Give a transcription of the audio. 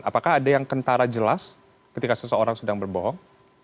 apakah ada yang kentara jelas ketika seseorang sedang berbohong